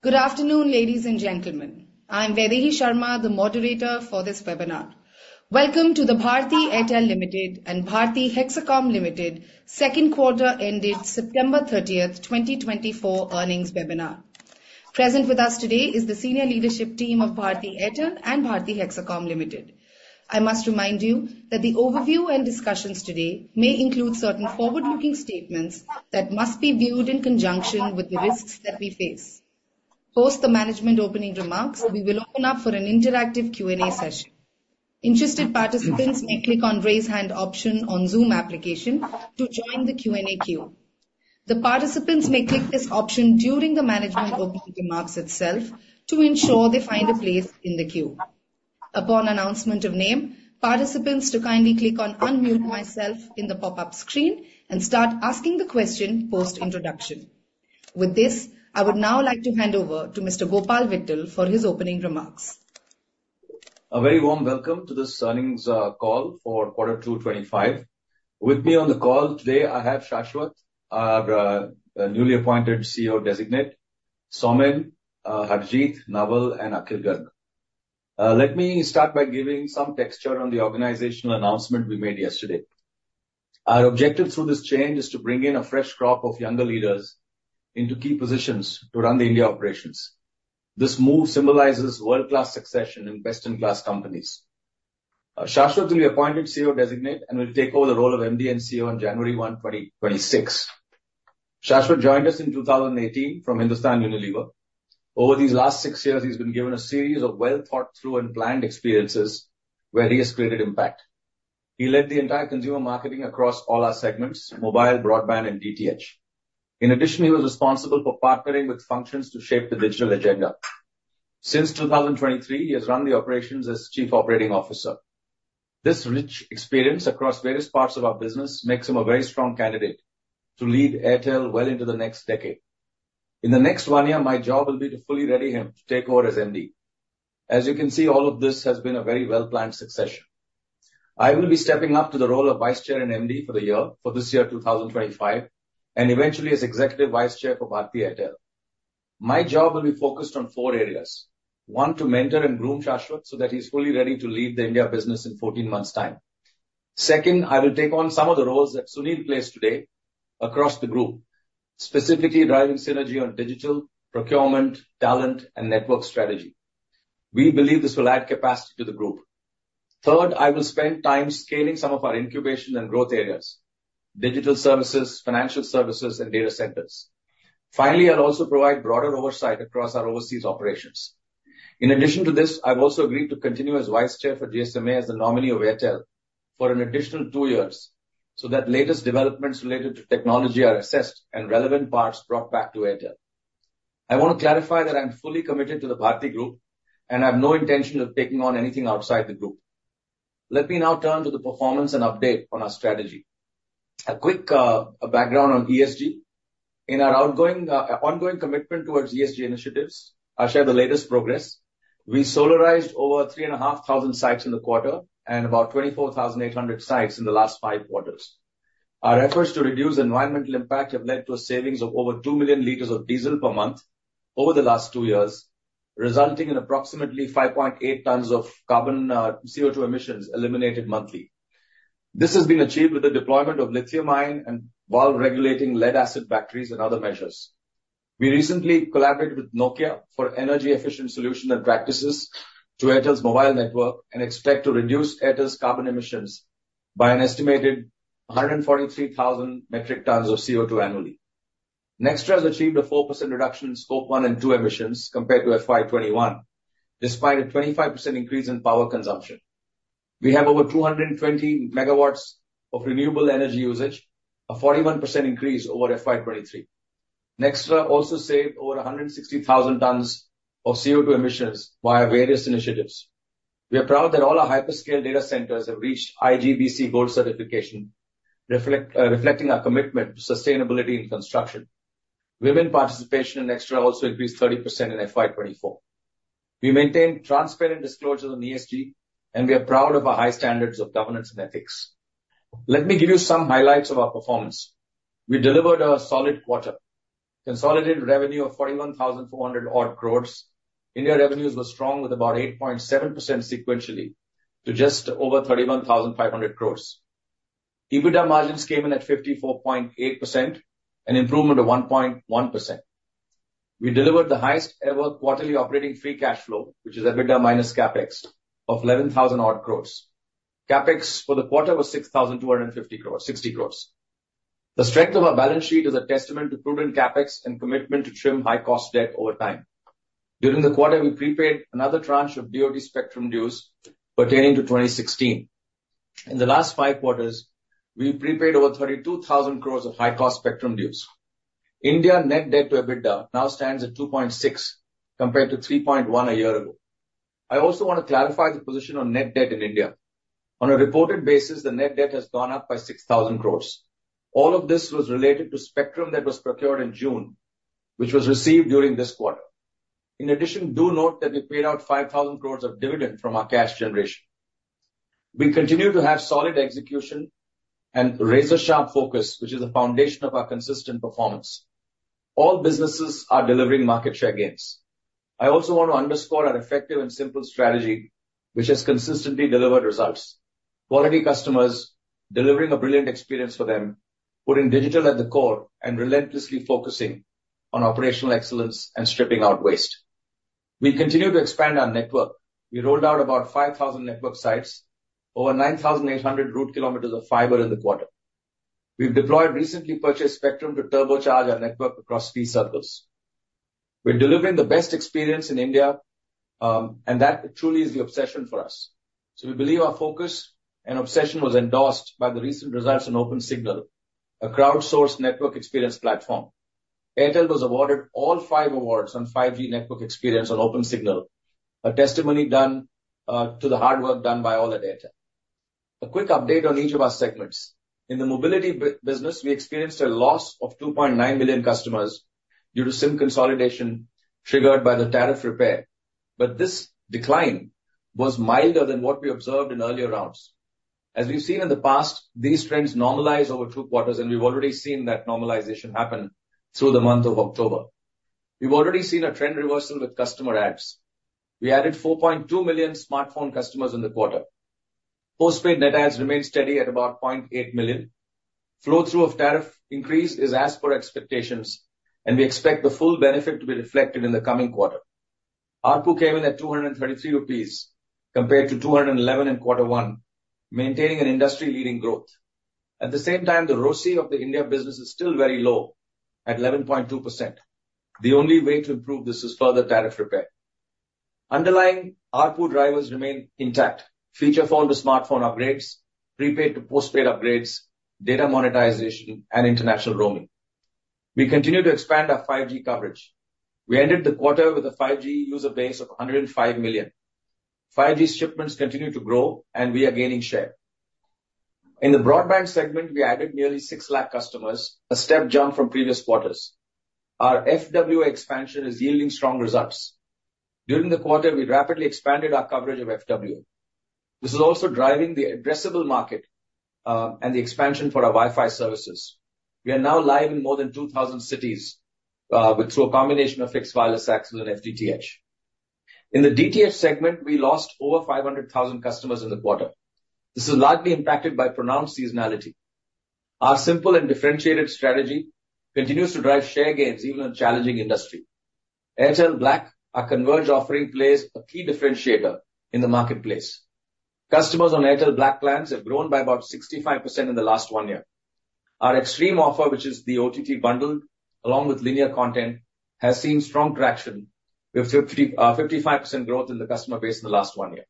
Good afternoon, ladies and gentlemen. I'm Vaidehi Sharma, the moderator for this webinar. Welcome to the Bharti Airtel Limited and Bharti Hexacom Limited Second Quarter, ended September 30, 2024 Earnings Webinar. Present with us today is the senior leadership team of Bharti Airtel and Bharti Hexacom Limited. I must remind you that the overview and discussions today may include certain forward-looking statements that must be viewed in conjunction with the risks that we face. Post the management opening remarks, we will open up for an interactive Q&A session. Interested participants may click on Raise Hand option on Zoom application to join the Q&A queue. The participants may click this option during the management opening remarks itself to ensure they find a place in the queue. Upon announcement of name, participants to kindly click on Unmute Myself in the pop-up screen and start asking the question post-introduction. With this, I would now like to hand over to Mr. Gopal Vittal for his opening remarks. A very warm welcome to this earnings call for quarter two twenty-five. With me on the call today, I have Shashwat, our newly appointed CEO designate, Soumen, Harjeet, Naval, and Akhil Garg. Let me start by giving some texture on the organizational announcement we made yesterday. Our objective through this change is to bring in a fresh crop of younger leaders into key positions to run the India operations. This move symbolizes world-class succession in best-in-class companies. Shashwat, the newly appointed CEO designate, and will take over the role of MD and CEO on January one, 2026. Shashwat joined us in 2018 from Hindustan Unilever. Over these last six years, he has been given a series of well-thought-through and planned experiences where he has created impact. He led the entire consumer marketing across all our segments, mobile, broadband, and DTH. In addition, he was responsible for partnering with functions to shape the digital agenda. Since 2023, he has run the operations as Chief Operating Officer. This rich experience across various parts of our business makes him a very strong candidate to lead Airtel well into the next decade. In the next one year, my job will be to fully ready him to take over as MD. As you can see, all of this has been a very well-planned succession. I will be stepping up to the role of Vice Chair and MD for the year, for this year, 2025, and eventually as Executive Vice Chair for Bharti Airtel. My job will be focused on four areas. One, to mentor and groom Shashwat, so that he's fully ready to lead the India business in 14 months' time. Second, I will take on some of the roles that Sunil plays today across the group, specifically driving synergy on digital, procurement, talent, and network strategy. We believe this will add capacity to the group. Third, I will spend time scaling some of our incubation and growth areas, digital services, financial services, and data centers. Finally, I'll also provide broader oversight across our overseas operations. In addition to this, I've also agreed to continue as Vice Chair for GSMA as the nominee of Airtel for an additional two years, so that latest developments related to technology are assessed and relevant parts brought back to Airtel. I want to clarify that I'm fully committed to the Bharti Group, and I have no intention of taking on anything outside the group. Let me now turn to the performance and update on our strategy. A quick background on ESG. In our ongoing commitment towards ESG initiatives, I'll share the latest progress. We solarized over 3,500 sites in the quarter and about 24,800 sites in the last five quarters. Our efforts to reduce environmental impact have led to a savings of over 2 million liters of diesel per month over the last two years, resulting in approximately 5.8 tons of carbon CO2 emissions eliminated monthly. This has been achieved with the deployment of lithium-ion and valve-regulated lead-acid batteries and other measures. We recently collaborated with Nokia for energy-efficient solution and practices to Airtel's mobile network and expect to reduce Airtel's carbon emissions by an estimated 143,000 metric tons of CO2 annually. Nxtra has achieved a 4% reduction in Scope one and two emissions compared to FY twenty-one, despite a 25% increase in power consumption. We have over 220 megawatts of renewable energy usage, a 41% increase over FY twenty-three. Nxtra also saved over 160,000 tons of CO2 emissions via various initiatives. We are proud that all our hyperscale data centers have reached IGBC Gold certification, reflecting our commitment to sustainability in construction. Women participation in Nxtra also increased 30% in FY 24. We maintain transparent disclosures on ESG, and we are proud of our high standards of governance and ethics. Let me give you some highlights of our performance. We delivered a solid quarter. Consolidated revenue of 41,400-odd crores. India revenues were strong, with about 8.7% sequentially to just over 31,500 crore. EBITDA margins came in at 54.8%, an improvement of 1.1%. We delivered the highest ever quarterly operating free cash flow, which is EBITDA minus CapEx of 11,000 odd crore. CapEx for the quarter was 6,250 crore. The strength of our balance sheet is a testament to prudent CapEx and commitment to trim high-cost debt over time. During the quarter, we prepaid another tranche of DoT spectrum dues pertaining to 2016. In the last five quarters, we've prepaid over 32,000 crore of high-cost spectrum dues. India net debt to EBITDA now stands at 2.6, compared to 3.1 a year ago. I also want to clarify the position on net debt in India. On a reported basis, the net debt has gone up by 6,000 crores. All of this was related to spectrum that was procured in June, which was received during this quarter. In addition, do note that we paid out 5,000 crores of dividend from our cash generation. We continue to have solid execution and razor-sharp focus, which is the foundation of our consistent performance. All businesses are delivering market share gains. I also want to underscore our effective and simple strategy, which has consistently delivered results, quality customers, delivering a brilliant experience for them, putting digital at the core, and relentlessly focusing on operational excellence and stripping out waste. We continue to expand our network. We rolled out about 5,000 network sites, over 9,800 route kilometers of fiber in the quarter. We have deployed recently purchased spectrum to turbocharge our network across three circles. We're delivering the best experience in India, and that truly is the obsession for us. So we believe our focus and obsession was endorsed by the recent results on Opensignal, a crowdsourced network experience platform. Airtel was awarded all five awards on 5G network experience on Opensignal, a testament to the hard work done by all at Airtel. A quick update on each of our segments. In the mobility business, we experienced a loss of 2.9 million customers due to SIM consolidation, triggered by the tariff repair, but this decline was milder than what we observed in earlier rounds. As we've seen in the past, these trends normalize over two quarters, and we've already seen that normalization happen through the month of October. We've already seen a trend reversal with customer adds. We added 4.2 million smartphone customers in the quarter. Postpaid net adds remained steady at about 0.8 million. Flow-through of tariff increase is as per expectations, and we expect the full benefit to be reflected in the coming quarter. ARPU came in at 223 rupees, compared to 211 in quarter one, maintaining an industry-leading growth. At the same time, the ROCI of the India business is still very low, at 11.2%. The only way to improve this is further tariff repair. Underlying ARPU drivers remain intact: feature phone to smartphone upgrades, prepaid to postpaid upgrades, data monetization, and international roaming. We continue to expand our 5G coverage. We ended the quarter with a 5G user base of 105 million. 5G shipments continue to grow, and we are gaining share. In the broadband segment, we added nearly 600,000 customers, a step jump from previous quarters. Our FWA expansion is yielding strong results. During the quarter, we rapidly expanded our coverage of FWA. This is also driving the addressable market, and the expansion for our Wi-Fi services. We are now live in more than 2,000 cities, with, through a combination of fixed wireless access and FTTH. In the DTH segment, we lost over 500,000 customers in the quarter. This is largely impacted by pronounced seasonality. Our simple and differentiated strategy continues to drive share gains, even in a challenging industry. Airtel Black, our converged offering, plays a key differentiator in the marketplace. Customers on Airtel Black plans have grown by about 65% in the last one year. Our Xstream offer, which is the OTT bundle, along with linear content, has seen strong traction with 55% growth in the customer base in the last one year.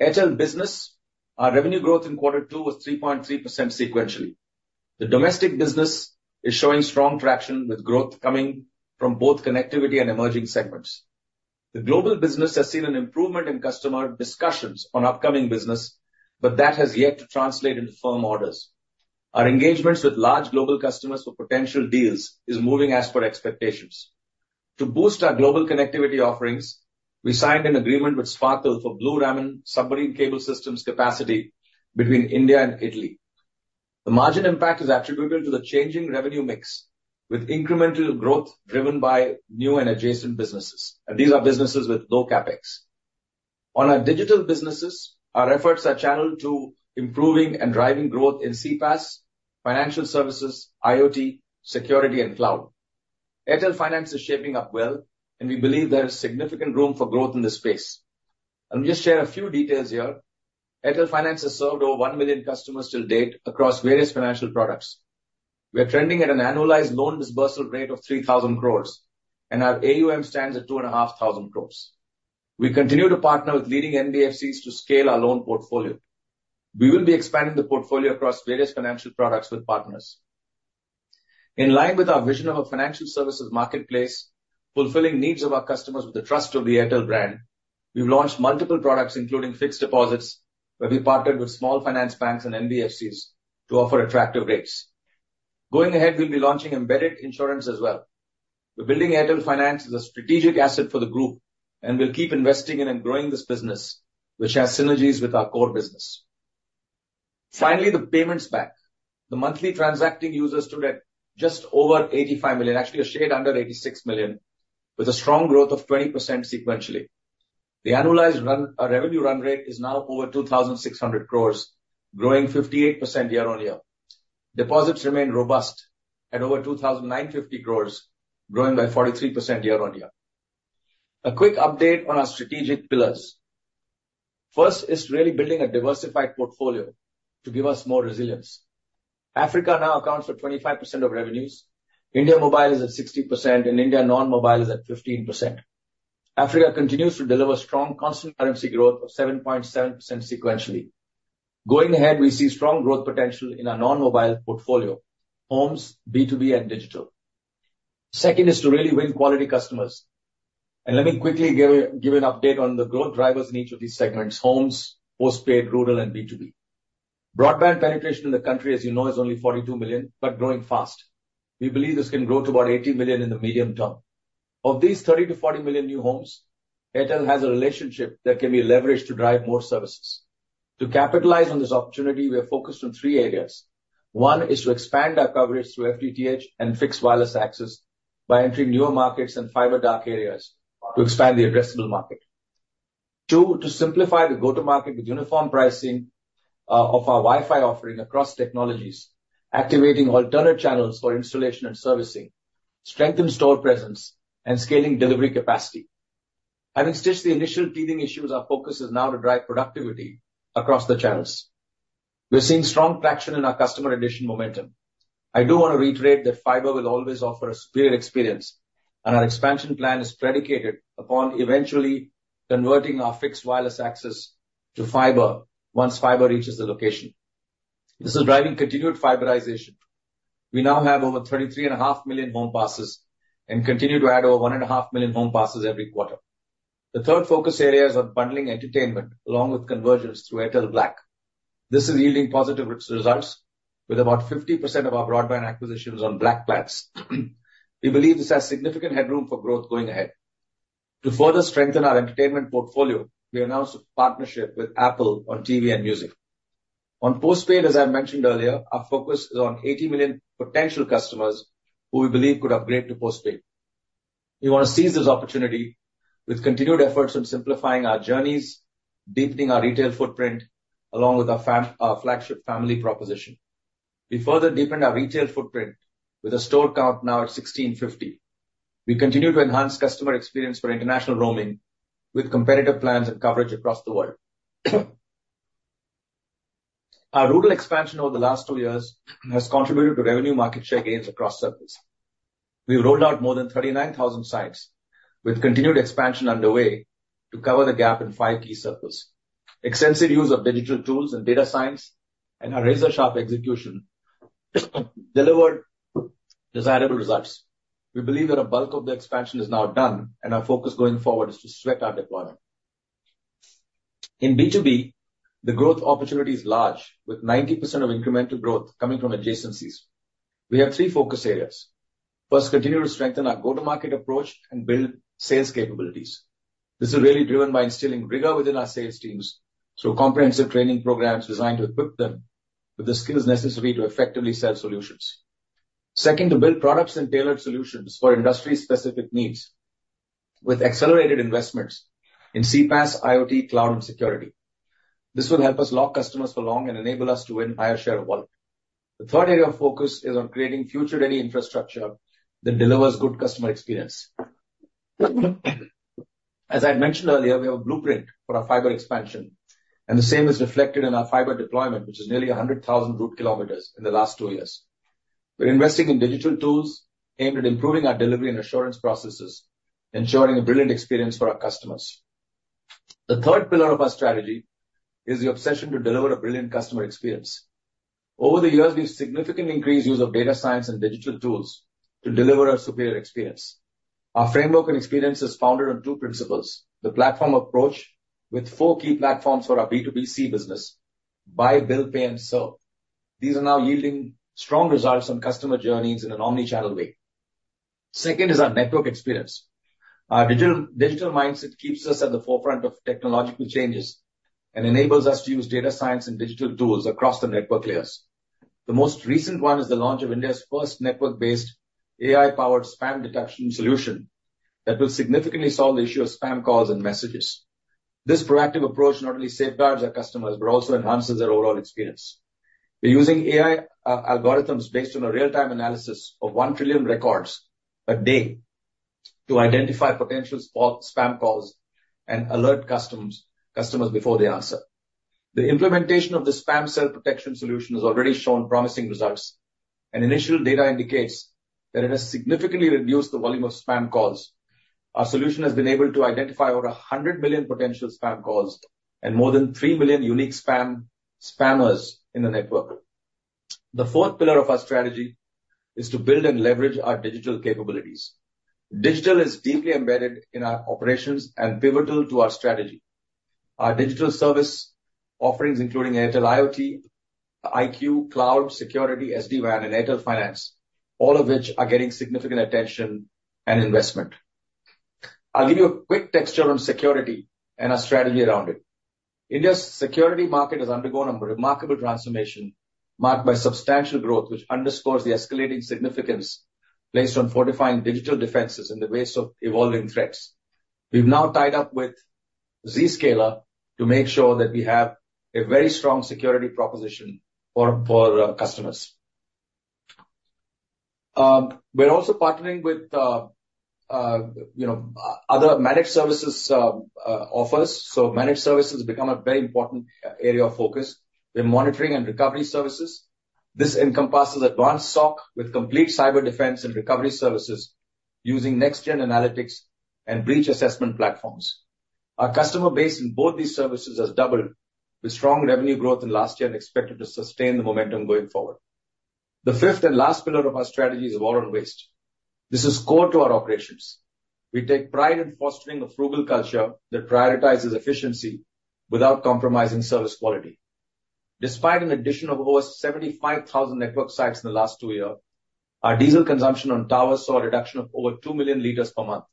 Airtel Business, our revenue growth in quarter two was 3.3% sequentially. The domestic business is showing strong traction, with growth coming from both connectivity and emerging segments. The global business has seen an improvement in customer discussions on upcoming business, but that has yet to translate into firm orders. Our engagements with large global customers for potential deals is moving as per expectations. To boost our global connectivity offerings, we signed an agreement with Sparkle for Blue-Raman submarine cable systems capacity between India and Italy. The margin impact is attributable to the changing revenue mix, with incremental growth driven by new and adjacent businesses, and these are businesses with low CapEx. On our digital businesses, our efforts are channeled to improving and driving growth in CPaaS, financial services, IoT, security, and cloud. Airtel Finance is shaping up well, and we believe there is significant room for growth in this space. Let me just share a few details here. Airtel Finance has served over one million customers till date across various financial products. We are trending at an annualized loan dispersal rate of 3,000 crores, and our AUM stands at 2,500 crores. We continue to partner with leading NBFCs to scale our loan portfolio. We will be expanding the portfolio across various financial products with partners. In line with our vision of a financial services marketplace, fulfilling needs of our customers with the trust of the Airtel brand, we've launched multiple products, including fixed deposits, where we partnered with small finance banks and NBFCs to offer attractive rates. Going ahead, we'll be launching embedded insurance as well. We're building Airtel Finance as a strategic asset for the group, and we'll keep investing in and growing this business, which has synergies with our core business. Finally, the payments bank. The monthly transacting users stood at just over 85 million, actually a shade under 86 million, with a strong growth of 20% sequentially. The annualized run revenue run rate is now over 2,600 crores, growing 58% year-on-year. Deposits remain robust at over 2,950 crores, growing by 43% year-on-year. A quick update on our strategic pillars. First is really building a diversified portfolio to give us more resilience. Africa now accounts for 25% of revenues, India Mobile is at 60%, and India Non-Mobile is at 15%. Africa continues to deliver strong constant currency growth of 7.7% sequentially. Going ahead, we see strong growth potential in our non-mobile portfolio, homes, B2B, and digital. Second is to really win quality customers, and let me quickly give you an update on the growth drivers in each of these segments: homes, postpaid, rural, and B2B. Broadband penetration in the country, as you know, is only 42 million, but growing fast. We believe this can grow to about 80 million in the medium term. Of these 30-40 million new homes, Airtel has a relationship that can be leveraged to drive more services. To capitalize on this opportunity, we are focused on three areas. One, is to expand our coverage through FTTH and fixed wireless access by entering newer markets and fiber dark areas to expand the addressable market. Two, to simplify the go-to-market with uniform pricing of our Wi-Fi offering across technologies, activating alternate channels for installation and servicing, strengthen store presence, and scaling delivery capacity. Having stitched the initial teething issues, our focus is now to drive productivity across the channels. We're seeing strong traction in our customer addition momentum. I do wanna reiterate that fiber will always offer a superior experience, and our expansion plan is predicated upon eventually converting our fixed wireless access to fiber once fiber reaches the location. This is driving continued fiberization. We now have over 33.5 million home passes, and continue to add over 1.5 million home passes every quarter. The third focus area is on bundling entertainment along with convergence through Airtel Black. This is yielding positive results with about 50% of our broadband acquisitions on Black plans. We believe this has significant headroom for growth going ahead. To further strengthen our entertainment portfolio, we announced a partnership with Apple on TV and music. On postpaid, as I mentioned earlier, our focus is on 80 million potential customers who we believe could upgrade to postpaid. We wanna seize this opportunity with continued efforts on simplifying our journeys, deepening our retail footprint, along with our flagship family proposition. We further deepen our retail footprint with a store count now at 1,650. We continue to enhance customer experience for international roaming, with competitive plans and coverage across the world. Our rural expansion over the last two years has contributed to revenue market share gains across circles. We've rolled out more than 39,000 sites, with continued expansion underway to cover the gap in five key circles. Extensive use of digital tools and data science, and our razor-sharp execution, delivered desirable results. We believe that a bulk of the expansion is now done, and our focus going forward is to sweat our deployment. In B2B, the growth opportunity is large, with 90% of incremental growth coming from adjacencies. We have three focus areas. First, continue to strengthen our go-to-market approach and build sales capabilities. This is really driven by instilling rigor within our sales teams through comprehensive training programs designed to equip them with the skills necessary to effectively sell solutions. Second, to build products and tailored solutions for industry-specific needs with accelerated investments in CPaaS, IoT, cloud, and security. This will help us lock customers for long and enable us to win higher share of wallet. The third area of focus is on creating future-ready infrastructure that delivers good customer experience. As I had mentioned earlier, we have a blueprint for our fiber expansion, and the same is reflected in our fiber deployment, which is nearly 100,000 route kilometers in the last two years. We're investing in digital tools aimed at improving our delivery and assurance processes, ensuring a brilliant experience for our customers. The third pillar of our strategy is the obsession to deliver a brilliant customer experience. Over the years, we've significantly increased use of data science and digital tools to deliver a superior experience. Our framework and experience is founded on two principles: the platform approach, with four key platforms for our B2B2C business, buy, bill, pay, and serve. These are now yielding strong results on customer journeys in an omnichannel way. Second, is our network experience. Our digital mindset keeps us at the forefront of technological changes and enables us to use data science and digital tools across the network layers. The most recent one is the launch of India's first network-based AI-powered spam detection solution that will significantly solve the issue of spam calls and messages. This proactive approach not only safeguards our customers, but also enhances their overall experience. We're using AI algorithms based on a real-time analysis of 1 trillion records a day to identify potential spam calls and alert customers before they answer. The implementation of the spam call protection solution has already shown promising results, and initial data indicates that it has significantly reduced the volume of spam calls. Our solution has been able to identify over 100 million potential spam calls and more than 3 million unique spammers in the network. The fourth pillar of our strategy is to build and leverage our digital capabilities. Digital is deeply embedded in our operations and pivotal to our strategy. Our digital service offerings, including Airtel IoT, IQ, Cloud, Security, SD-WAN, and Airtel Finance, all of which are getting significant attention and investment. I'll give you a quick texture on security and our strategy around it. India's security market has undergone a remarkable transformation, marked by substantial growth, which underscores the escalating significance placed on fortifying digital defenses in the face of evolving threats. We've now tied up with Zscaler to make sure that we have a very strong security proposition for customers. We're also partnering with, you know, other managed services, offers, so managed services become a very important area of focus. We're monitoring and recovery services. This encompasses advanced SOC with complete cyber defense and recovery services using next-gen analytics and breach assessment platforms. Our customer base in both these services has doubled, with strong revenue growth in last year and expected to sustain the momentum going forward. The fifth and last pillar of our strategy is water and waste. This is core to our operations. We take pride in fostering a frugal culture that prioritizes efficiency without compromising service quality. Despite an addition of over 75,000 network sites in the last two years, our diesel consumption on towers saw a reduction of over 2 million liters per month.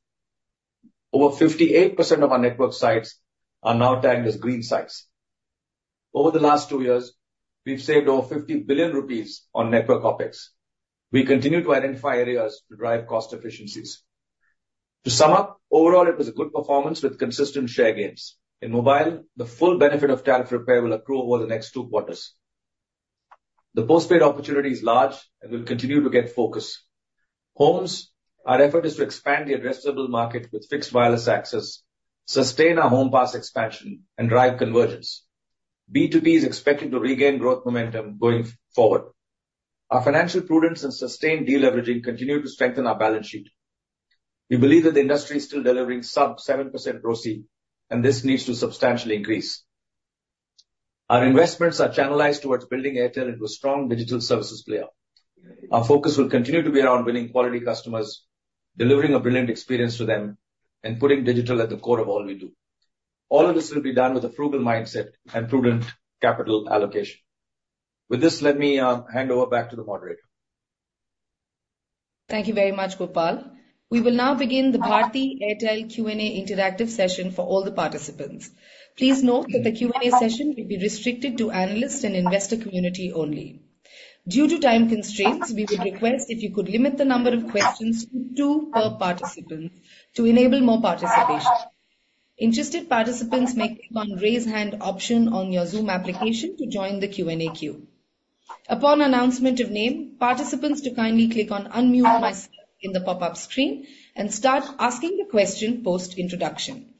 Over 58% of our network sites are now tagged as green sites. Over the last two years, we've saved over 50 billion rupees on network OpEx. We continue to identify areas to drive cost efficiencies. To sum up, overall, it was a good performance with consistent share gains. In mobile, the full benefit of tariff repair will accrue over the next two quarters. The postpaid opportunity is large and will continue to get focus. Homes, our effort is to expand the addressable market with fixed wireless access, sustain our home pass expansion, and drive convergence. B2B is expected to regain growth momentum going forward. Our financial prudence and sustained deleveraging continue to strengthen our balance sheet. We believe that the industry is still delivering sub-7% ROCE, and this needs to substantially increase. Our investments are channelized towards building Airtel into a strong digital services player. Our focus will continue to be around winning quality customers, delivering a brilliant experience to them, and putting digital at the core of all we do. All of this will be done with a frugal mindset and prudent capital allocation. With this, let me hand over back to the moderator. Thank you very much, Gopal. We will now begin the Bharti Airtel Q&A interactive session for all the participants. Please note that the Q&A session will be restricted to analysts and investor community only. Due to time constraints, we would request if you could limit the number of questions to two per participant to enable more participation. Interested participants may click on Raise Hand option on your Zoom application to join the Q&A queue. Upon announcement of name, participants to kindly click on Unmute Myself in the pop-up screen and start asking the question post-introduction.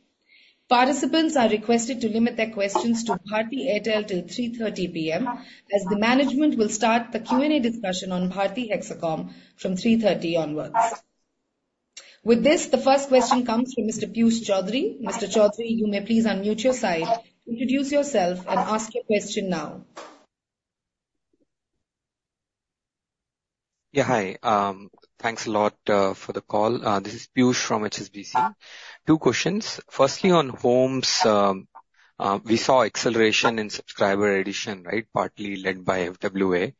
Participants are requested to limit their questions to Bharti Airtel till 3:30 P.M., as the management will start the Q&A discussion on Bharti Hexacom from 3:30 P.M. onwards. With this, the first question comes from Mr. Piyush Choudhary. Mr. Chaudhary, you may please unmute your side, introduce yourself, and ask your question now. Yeah, hi. Thanks a lot for the call. This is Piyush from HSBC. Two questions. Firstly, on homes, we saw acceleration in subscriber addition, right, partly led by FWA.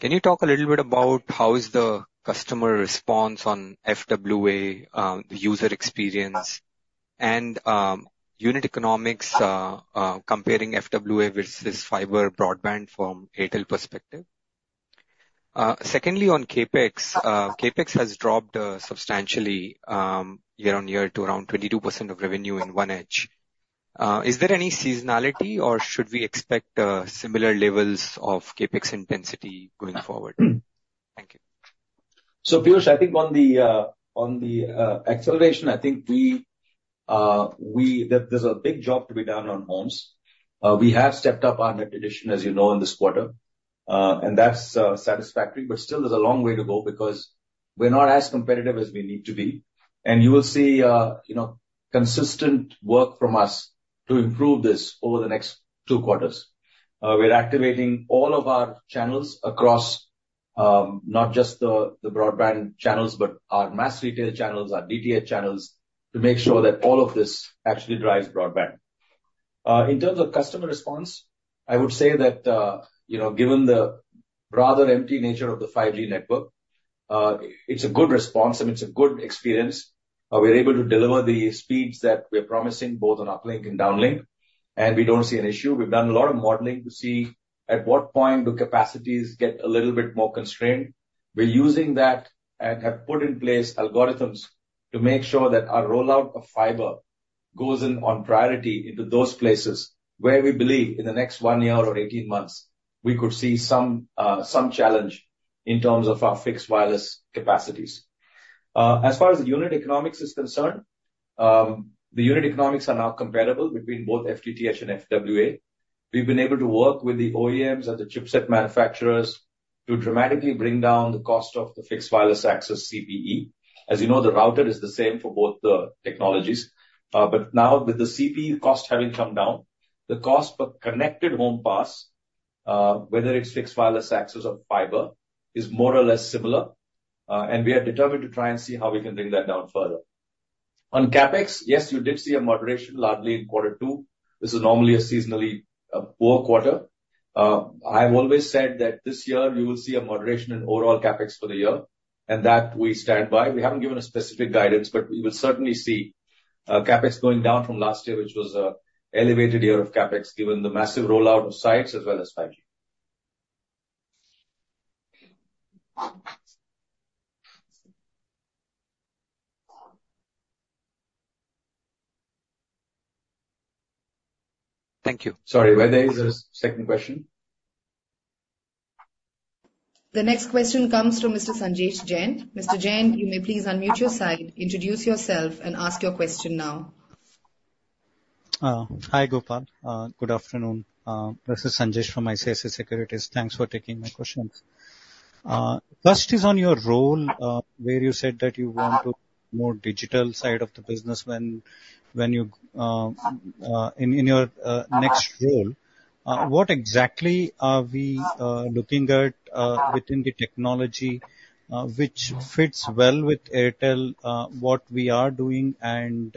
Can you talk a little bit about how is the customer response on FWA, the user experience and unit economics, comparing FWA versus fiber broadband from Airtel perspective? Secondly, on CapEx. CapEx has dropped substantially year-on-year to around 22% of revenue in Q1. Is there any seasonality, or should we expect similar levels of CapEx intensity going forward? Thank you. So, Piyush, I think on the acceleration, I think we there, there's a big job to be done on homes. We have stepped up our net addition, as you know, in this quarter, and that's satisfactory. But still, there's a long way to go because we're not as competitive as we need to be. And you will see, you know, consistent work from us to improve this over the next two quarters. We're activating all of our channels across, not just the broadband channels, but our mass retail channels, our DTH channels, to make sure that all of this actually drives broadband. In terms of customer response, I would say that, you know, given the rather empty nature of the 5G network, it's a good response, and it's a good experience. We're able to deliver the speeds that we're promising, both on uplink and downlink, and we don't see an issue. We've done a lot of modeling to see at what point do capacities get a little bit more constrained. We're using that and have put in place algorithms to make sure that our rollout of fiber goes in on priority into those places where we believe in the next one year or 18 months, we could see some challenge in terms of our fixed wireless capacities. As far as the unit economics is concerned, the unit economics are now comparable between both FTTH and FWA. We've been able to work with the OEMs and the chipset manufacturers to dramatically bring down the cost of the fixed wireless access CPE. As you know, the router is the same for both the technologies. But now, with the CPE cost having come down, the cost per connected home pass, whether it's fixed wireless access or fiber, is more or less similar, and we are determined to try and see how we can bring that down further. On CapEx, yes, you did see a moderation, largely in quarter two. This is normally a seasonally poor quarter. I've always said that this year you will see a moderation in overall CapEx for the year, and that we stand by. We haven't given a specific guidance, but you will certainly see CapEx going down from last year, which was an elevated year of CapEx, given the massive rollout of sites as well as 5G. Thank you. Sorry, was there a second question? The next question comes from Mr. Sanjesh Jain. Mr. Jain, you may please unmute your side, introduce yourself, and ask your question now. Hi, Gopal. Good afternoon. This is Sanjesh from ICICI Securities. Thanks for taking my questions. First is on your role, where you said that you want to more digital side of the business when you in your next role. What exactly are we looking at within the technology which fits well with Airtel what we are doing, and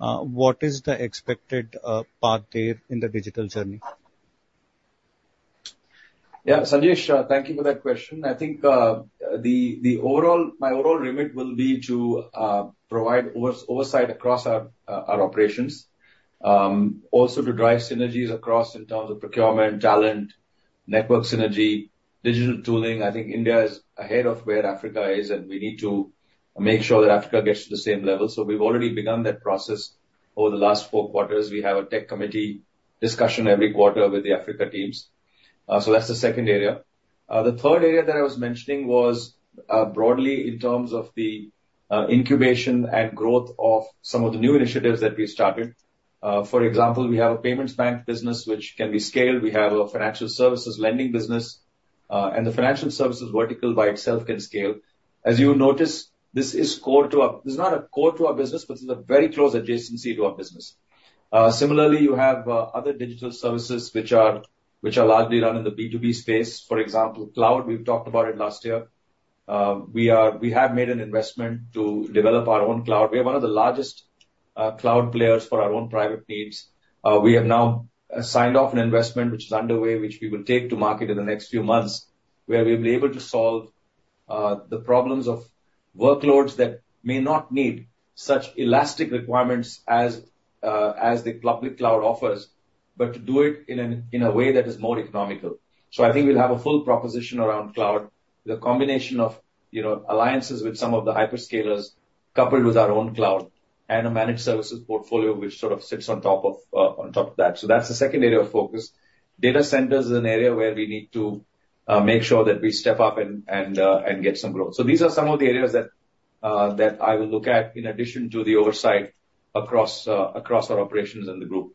what is the expected path there in the digital journey? Yeah, Sanjesh, thank you for that question. I think my overall remit will be to provide oversight across our operations. Also to drive synergies across in terms of procurement, talent, network synergy, digital tooling. I think India is ahead of where Africa is, and we need to make sure that Africa gets to the same level. So we've already begun that process over the last four quarters. We have a tech committee discussion every quarter with the Africa teams. So that's the second area. The third area that I was mentioning was broadly in terms of the incubation and growth of some of the new initiatives that we started. For example, we have a payments bank business which can be scaled. We have a financial services lending business, and the financial services vertical by itself can scale. As you notice, this is core to our business. This is not a core to our business, but this is a very close adjacency to our business. Similarly, you have other digital services which are largely run in the B2B space. For example, cloud. We've talked about it last year. We have made an investment to develop our own cloud. We are one of the largest cloud players for our own private needs. We have now signed off an investment which is underway, which we will take to market in the next few months, where we'll be able to solve the problems of workloads that may not need such elastic requirements as the public cloud offers, but to do it in a way that is more economical. So I think we'll have a full proposition around cloud, the combination of, you know, alliances with some of the hyperscalers, coupled with our own cloud and a managed services portfolio, which sort of sits on top of that. So that's the second area of focus. Data centers is an area where we need to make sure that we step up and get some growth. So these are some of the areas that I will look at in addition to the oversight across our operations in the group.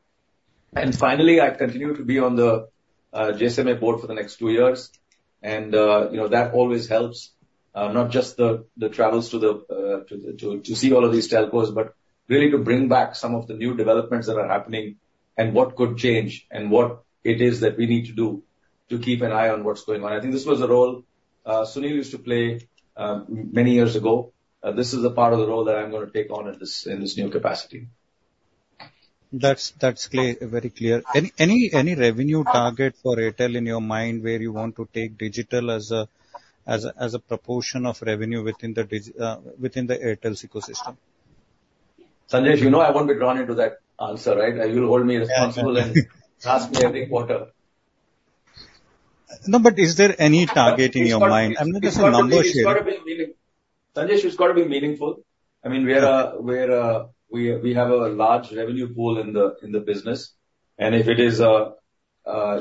And finally, I continue to be on the GSMA board for the next two years. And, you know, that always helps, not just the travels to see all of these telcos, but really to bring back some of the new developments that are happening and what could change, and what it is that we need to do to keep an eye on what's going on. I think this was a role Sunil used to play many years ago. This is a part of the role that I'm gonna take on in this new capacity. That's clear, very clear. Any revenue target for Airtel in your mind, where you want to take digital as a proportion of revenue within Airtel's ecosystem? Sanjesh, you know I won't be drawn into that answer, right? You'll hold me responsible and ask me every quarter. No, but is there any target in your mind? I mean, just a number here. It's gotta be, it's gotta be meaningful. Sanjesh, it's got to be meaningful. I mean, we're a, we have a large revenue pool in the business, and if it is a,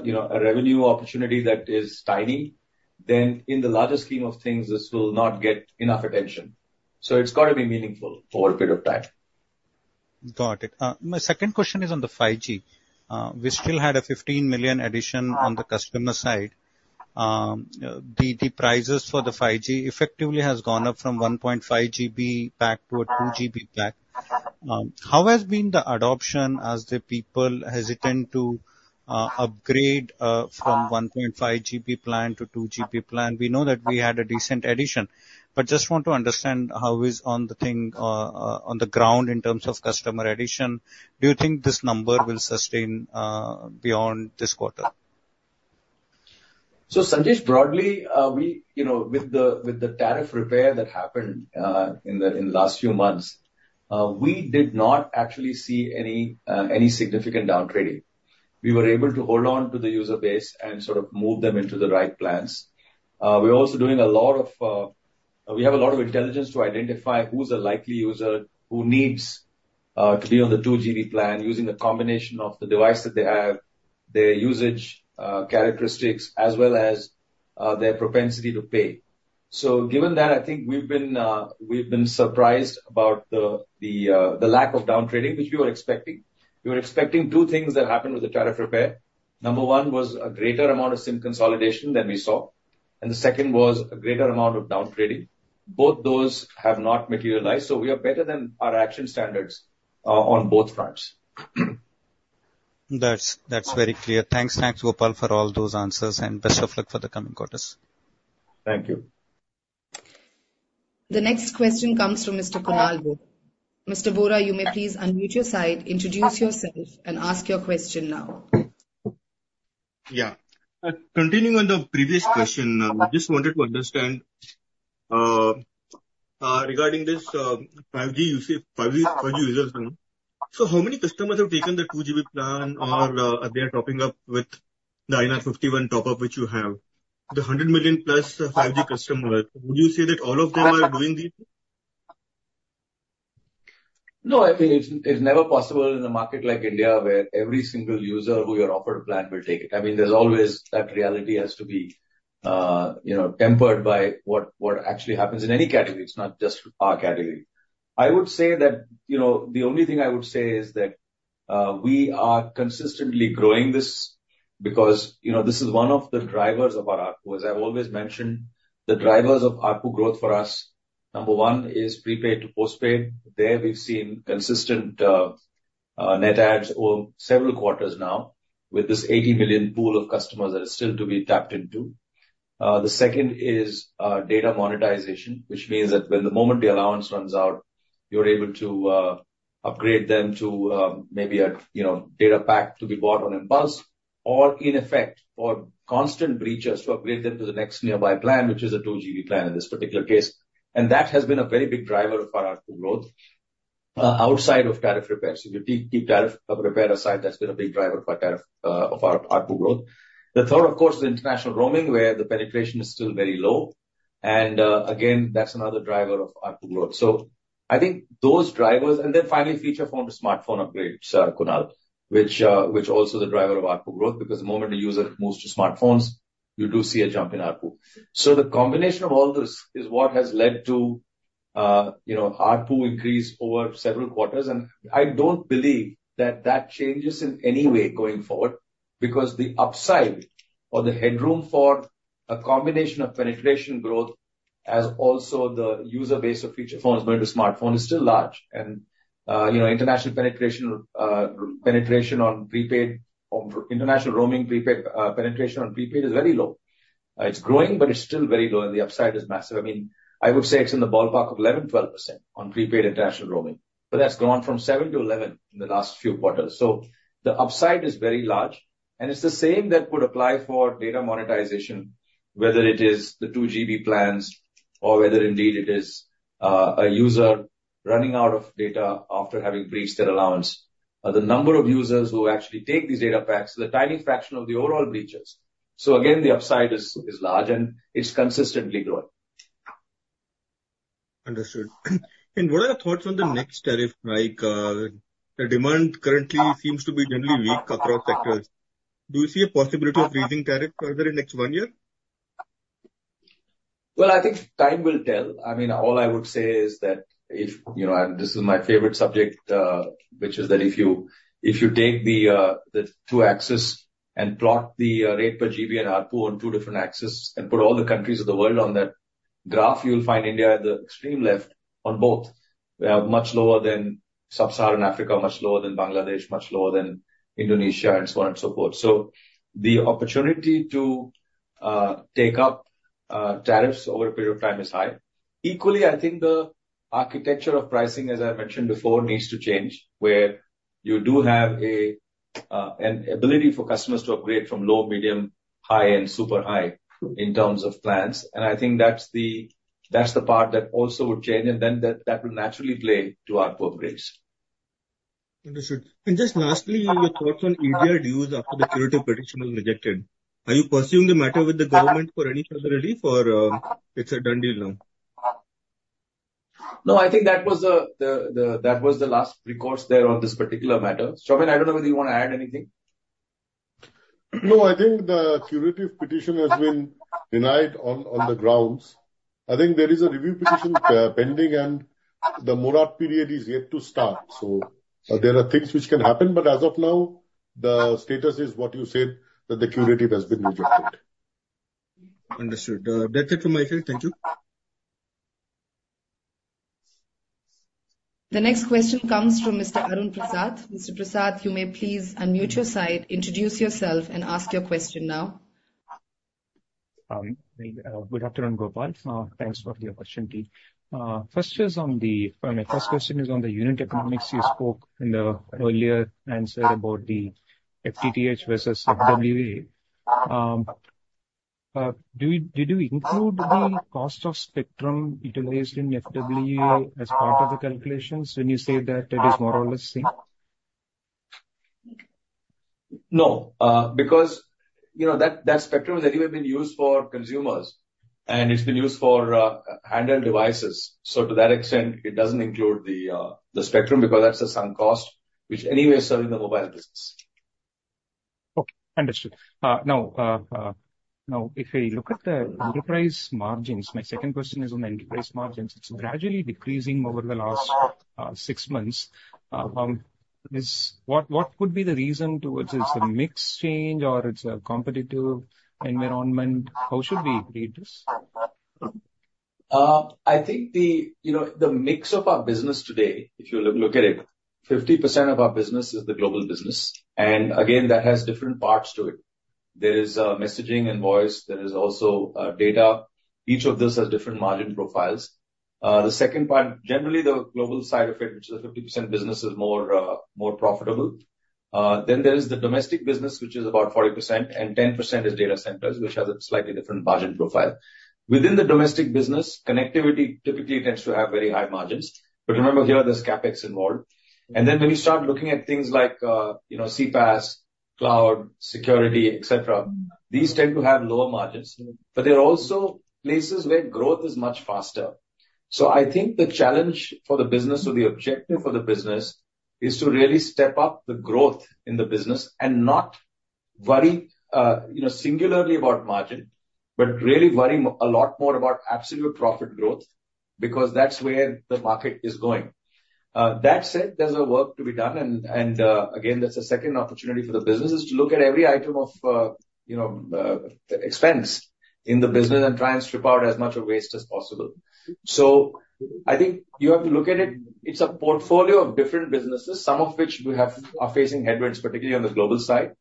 you know, a revenue opportunity that is tiny, then in the larger scheme of things, this will not get enough attention. So it's got to be meaningful over a period of time. Got it. My second question is on the 5G. We still had a 15 million addition on the customer side. The prices for the 5G effectively has gone up from 1.5 GB pack to a 2 GB pack. How has been the adoption as the people hesitant to upgrade from 1.5 GB plan to 2 GB plan? We know that we had a decent addition, but just want to understand how is on the thing on the ground in terms of customer addition. Do you think this number will sustain beyond this quarter? So, Sanjesh, broadly, we, you know, with the tariff repair that happened in the last few months, we did not actually see any significant downtrading. We were able to hold on to the user base and sort of move them into the right plans. We're also doing a lot of... We have a lot of intelligence to identify who's a likely user, who needs to be on the 2 GB plan, using a combination of the device that they have, their usage characteristics, as well as their propensity to pay. So given that, I think we've been surprised about the lack of downtrading, which we were expecting. We were expecting two things that happened with the tariff repair. Number one was a greater amount of SIM consolidation than we saw, and the second was a greater amount of downtrading. Both those have not materialized, so we are better than our action standards on both fronts. That's, that's very clear. Thanks. Thanks, Gopal, for all those answers, and best of luck for the coming quarters. Thank you. The next question comes from Mr. Kunal Vora. Mr. Vora, you may please unmute your side, introduce yourself, and ask your question now. Yeah. Continuing on the previous question, just wanted to understand, regarding this, 5G usage, 5G, 5G users. So how many customers have taken the two GB plan or they are topping up with the INR 51 top-up, which you have? The 100 million-plus 5G customers, would you say that all of them are doing this? No, I mean, it's never possible in a market like India, where every single user who you offer a plan will take it. I mean, there's always that reality has to be, you know, tempered by what actually happens in any category, it's not just our category. I would say that, you know, the only thing I would say is that we are consistently growing this because, you know, this is one of the drivers of our ARPU. As I've always mentioned, the drivers of ARPU growth for us. Number one is prepaid to postpaid. There, we've seen consistent net adds over several quarters now, with this 80 million pool of customers that are still to be tapped into. The second is data monetization, which means that when the moment the allowance runs out, you're able to upgrade them to maybe a, you know, data pack to be bought on impulse, or in effect, for constant breachers, to upgrade them to the next nearby plan, which is a 2 GB plan in this particular case. And that has been a very big driver of our ARPU growth outside of tariff repricing. If you keep tariff repricing aside, that's been a big driver of our tariff repricing, of our ARPU growth. The third, of course, is international roaming, where the penetration is still very low, and again, that's another driver of ARPU growth. So I think those drivers... And then finally, feature phone to smartphone upgrades, Kunal, which also the driver of ARPU growth, because the moment a user moves to smartphones, you do see a jump in ARPU. So the combination of all this is what has led to, you know, ARPU increase over several quarters. And I don't believe that that changes in any way going forward, because the upside or the headroom for a combination of penetration growth, as also the user base of feature phones going to smartphone, is still large. And, you know, international penetration, penetration on prepaid or international roaming prepaid, penetration on prepaid is very low. It's growing, but it's still very low, and the upside is massive. I mean, I would say it's in the ballpark of 11%-12% on prepaid international roaming, but that's grown from 7-11 in the last few quarters. So the upside is very large, and it's the same that would apply for data monetization, whether it is the 2 GB plans or whether indeed it is a user running out of data after having breached their allowance. The number of users who actually take these data packs is a tiny fraction of the overall breachers. So again, the upside is large, and it's consistently growing. Understood, and what are your thoughts on the next tariff? Like, the demand currently seems to be generally weak across sectors. Do you see a possibility of raising tariff further in next one year? I think time will tell. I mean, all I would say is that if, you know, and this is my favorite subject, which is that if you, if you take the two axes and plot the rate per GB and ARPU on two different axes and put all the countries of the world on that graph, you'll find India at the extreme left on both. We are much lower than Sub-Saharan Africa, much lower than Bangladesh, much lower than Indonesia, and so on and so forth. So the opportunity to take up tariffs over a period of time is high. Equally, I think the architecture of pricing, as I mentioned before, needs to change, where you do have an ability for customers to upgrade from low, medium, high and super high in terms of plans. And I think that's the part that also would change, and then that will naturally play to ARPU upgrades. Understood. And just lastly, your thoughts on AGR dues after the curative petition was rejected. Are you pursuing the matter with the government for any further relief or, it's a done deal now? No, I think that was the last recourse there on this particular matter. Soumen, I don't know whether you want to add anything. No, I think the curative petition has been denied on the grounds. I think there is a review petition pending, and the moratorium period is yet to start. So there are things which can happen, but as of now, the status is what you said, that the curative has been rejected. Understood. That's it from my side. Thank you. The next question comes from Mr. Arun Prasath. Mr. Prasath, you may please unmute your side, introduce yourself and ask your question now. Good afternoon, Gopal. Thanks for the opportunity. My first question is on the unit economics. You spoke in the earlier answer about the FTTH versus FWA. Did you include the cost of spectrum utilized in FWA as part of the calculations when you say that it is more or less the same? No, because, you know, that, that spectrum has anyway been used for consumers, and it's been used for handheld devices. So to that extent, it doesn't include the, the spectrum, because that's a sunk cost which anyway is serving the mobile business. Okay, understood. Now, if I look at the enterprise margins, my second question is on the enterprise margins. It's gradually decreasing over the last six months. What could be the reason towards this? It's a mix change or it's a competitive environment? How should we read this? I think, you know, the mix of our business today, if you look at it, 50% of our business is the global business. And again, that has different parts to it. There is messaging and voice. There is also data. Each of those has different margin profiles. The second part, generally the global side of it, which is the 50% business, is more profitable. Then there is the domestic business, which is about 40%, and 10% is data centers, which has a slightly different margin profile. Within the domestic business, connectivity typically tends to have very high margins. But remember, here, there's CapEx involved. And then when you start looking at things like, you know, CPaaS, cloud, security, et cetera, these tend to have lower margins, but they're also places where growth is much faster. So I think the challenge for the business, or the objective for the business, is to really step up the growth in the business and not worry, you know, singularly about margin, but really worry a lot more about absolute profit growth, because that's where the market is going. That said, there's a work to be done, and again, that's a second opportunity for the business, is to look at every item of, you know, expense in the business and try and strip out as much of waste as possible. So I think you have to look at it. It's a portfolio of different businesses, some of which are facing headwinds, particularly on the global side.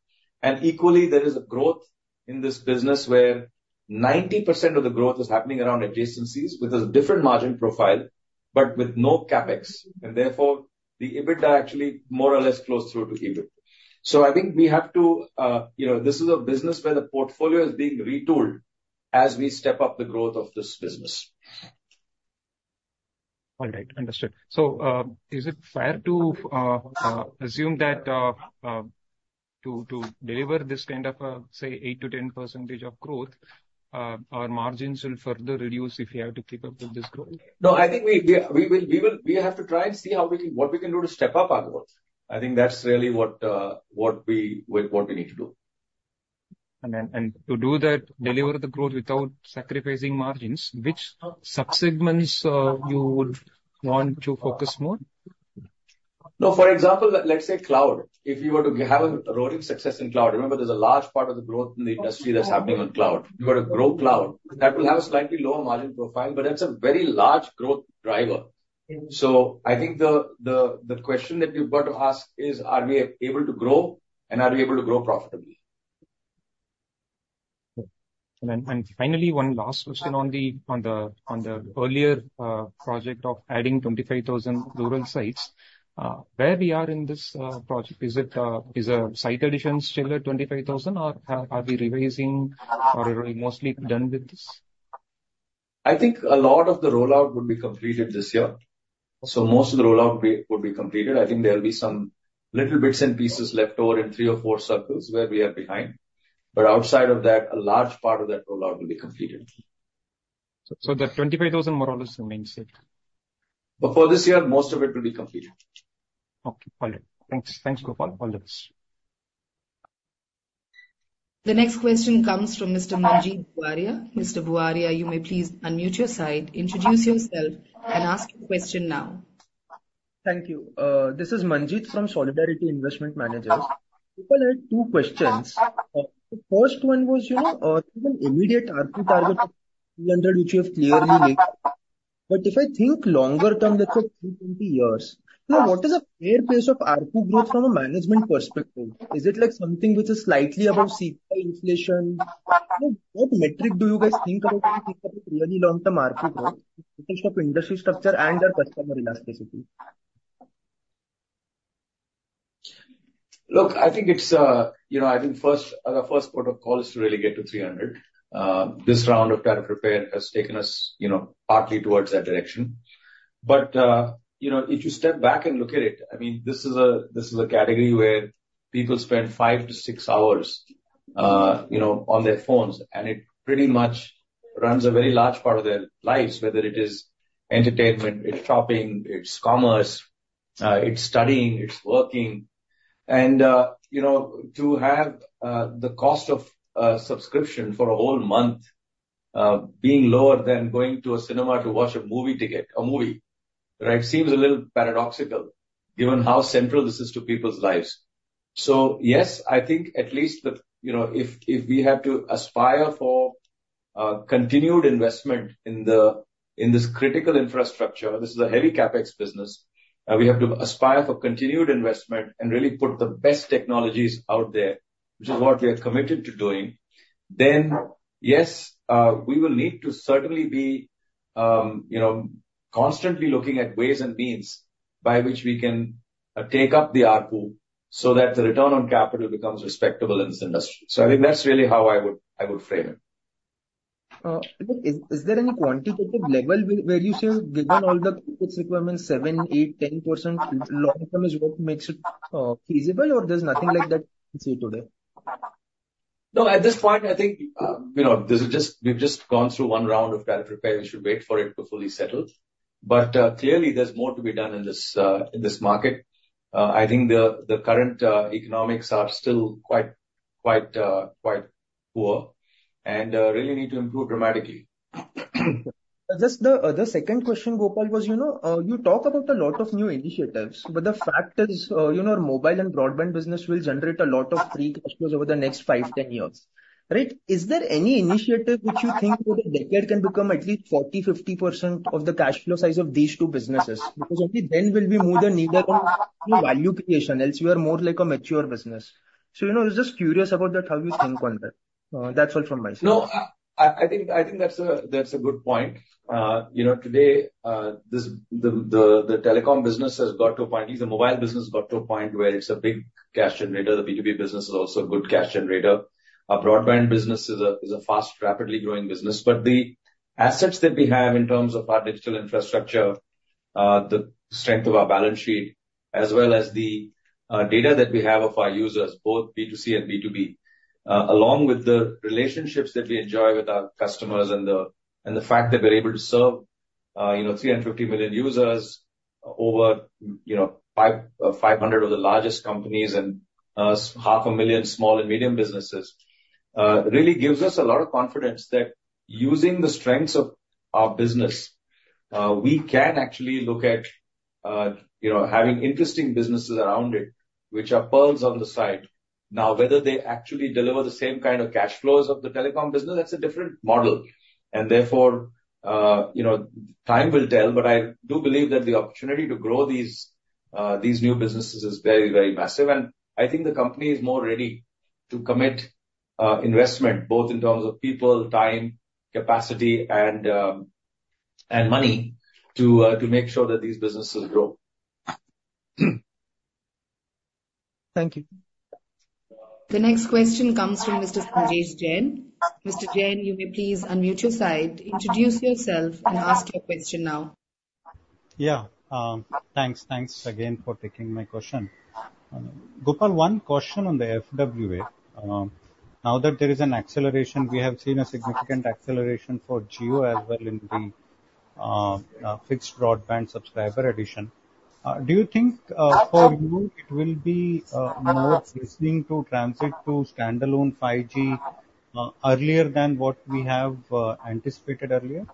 And equally, there is a growth in this business where 90% of the growth is happening around adjacencies with a different margin profile, but with no CapEx, and therefore, the EBITDA actually more or less flows through to EBIT. So I think we have to, you know, this is a business where the portfolio is being retooled as we step up the growth of this business. All right, understood. So, is it fair to assume that to deliver this kind of, say, 8%-10% growth, our margins will further reduce if we have to keep up with this growth? No, I think we will. We have to try and see what we can do to step up our growth. I think that's really what we need to do. And then, to do that, deliver the growth without sacrificing margins, which sub-segments you would want to focus more? No, for example, let's say cloud. If you were to have a roaring success in cloud, remember, there's a large part of the growth in the industry that's happening on cloud. You got to grow cloud. That will have a slightly lower margin profile, but it's a very large growth driver. Mm. I think the question that you've got to ask is: Are we able to grow, and are we able to grow profitably? And then, finally, one last question on the earlier project of adding 25,000 rural sites. Where we are in this project? Is it site additions still at 25,000, or are we revising or are we mostly done with this? I think a lot of the rollout would be completed this year. So most of the rollout would be completed. I think there'll be some little bits and pieces left over in three or four circles where we are behind, but outside of that, a large part of that rollout will be completed. So the 25,000 we're all assuming, sir. Before this year, most of it will be completed. Okay, got it. Thanks. Thanks, Gopal. All the best. The next question comes from Mr. Manjeet Buaria. Mr. Buaria, you may please unmute your side, introduce yourself, and ask your question now. Thank you. This is Manjeet from Solidarity Investment Managers. Gopal, I had two questions. The first one was, you know, immediate ARPU target, 300, which you have clearly made. But if I think longer term, let's say, 20 years, you know, what is the fair place of ARPU growth from a management perspective? Is it like something which is slightly above CPI inflation? You know, what metric do you guys think about really long-term ARPU growth, in terms of industry structure and their customer elasticity? Look, I think it's, you know, I think first, our first port of call is to really get to 300. This round of tariff repair has taken us, you know, partly towards that direction. But, you know, if you step back and look at it, I mean, this is a, this is a category where people spend 5-6 hours, you know, on their phones, and it pretty much runs a very large part of their lives, whether it is entertainment, it's shopping, it's commerce, it's studying, it's working. And, you know, to have, the cost of a subscription for a whole month, being lower than going to a cinema to watch a movie ticket, a movie, right? Seems a little paradoxical, given how central this is to people's lives. So yes, I think at least the... You know, if we have to aspire for continued investment in this critical infrastructure, this is a heavy CapEx business, we have to aspire for continued investment and really put the best technologies out there, which is what we are committed to doing, then yes, we will need to certainly be, you know, constantly looking at ways and means by which we can take up the ARPU so that the return on capital becomes respectable in this industry. So I think that's really how I would, I would frame it. But is there any quantitative level where you say, given all the CapEx requirements 7%, 8%, 10% long-term is what makes it feasible, or there's nothing like that to say today? No, at this point, I think, you know, this is just we've just gone through one round of tariff repair. We should wait for it to fully settle. But, clearly, there's more to be done in this market. I think the current economics are still quite poor and really need to improve dramatically. Just the second question, Gopal, was, you know, you talk about a lot of new initiatives, but the fact is, you know, mobile and broadband business will generate a lot of free cash flows over the next five, ten years, right? Is there any initiative which you think over the decade can become at least 40%-50% of the cash flow size of these two businesses? Because only then we'll be more than eager on value creation, else you are more like a mature business. So, you know, I was just curious about that, how you think on that. That's all from my side. No, I think that's a good point. You know, today, the telecom business has got to a point, at least the mobile business got to a point where it's a big cash generator. The B2B business is also a good cash generator. Our broadband business is a fast, rapidly growing business. But the assets that we have in terms of our digital infrastructure, the strength of our balance sheet, as well as the data that we have of our users, both B2C and B2B, along with the relationships that we enjoy with our customers and the fact that we're able to serve-... You know, three hundred and fifty million users, over, you know, five hundred of the largest companies and half a million small and medium businesses really gives us a lot of confidence that using the strengths of our business, we can actually look at, you know, having interesting businesses around it, which are pearls on the side. Now, whether they actually deliver the same kind of cash flows of the telecom business, that's a different model. And therefore, you know, time will tell, but I do believe that the opportunity to grow these, these new businesses is very, very massive. And I think the company is more ready to commit investment, both in terms of people, time, capacity, and money, to make sure that these businesses grow. Thank you. The next question comes from Mr. Sanjesh Jain. Mr. Jain, you may please unmute your side, introduce yourself, and ask your question now. Yeah. Thanks. Thanks again for taking my question. Gopal, one question on the FWA. Now that there is an acceleration, we have seen a significant acceleration for Jio as well in the fixed broadband subscriber addition. Do you think, for you, it will be more interesting to transition to standalone 5G earlier than what we have anticipated earlier?